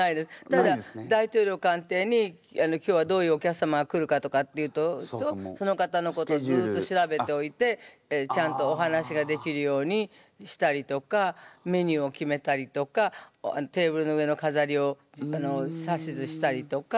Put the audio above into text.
ただ大統領官邸に今日はどういうお客様が来るかとかっていうとその方のことをずっと調べておいてちゃんとお話ができるようにしたりとかメニューを決めたりとかテーブルの上のかざりを指図したりとか。